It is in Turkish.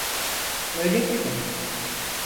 Öyle dedin.